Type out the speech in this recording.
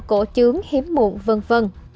cổ trướng hiếm muộn v v